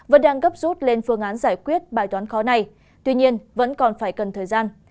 vẫn đang gấp rút lên phương án giải quyết bài toán khó này tuy nhiên vẫn còn phải cần thời gian